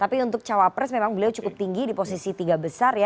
tapi untuk cawapres memang beliau cukup tinggi di posisi tiga besar ya